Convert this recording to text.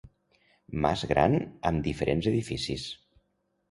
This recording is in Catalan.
Mas gran amb diferents edificis.